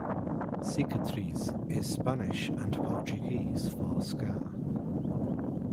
"Cicatriz" is Spanish and Portuguese for "Scar".